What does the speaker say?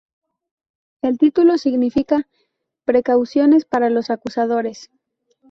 El título significa "Precauciones para los acusadores".